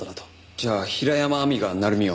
じゃあ平山亜美が鳴海を。